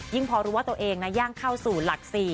ยิ่งพอรู้ว่าตัวเองย่างเข้าสู่หลักสี่